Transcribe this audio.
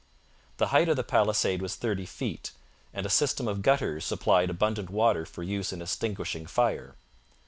The height of the palisade was thirty feet, and a system of gutters supplied abundant water for use in extinguishing fire.